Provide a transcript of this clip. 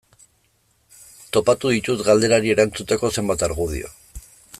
Topatu ditut galderari erantzuteko zenbait argudio.